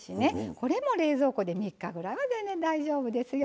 これも冷蔵庫で３日ぐらいは全然大丈夫ですよ。